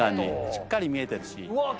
しっかり見えてるし。